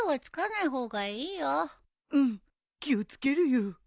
うん気を付けるよ。